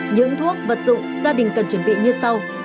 những thuốc vật dụng gia đình cần chuẩn bị như sau